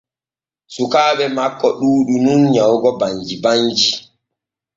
Sukaaɓe makko ɗuuɗu nun nyawugo banji banji.